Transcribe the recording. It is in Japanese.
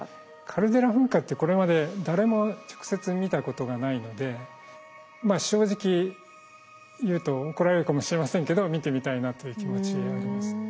カルデラ噴火ってこれまで誰も直接見たことがないのでまあ正直言うと怒られるかもしれませんけど見てみたいなという気持ちあります。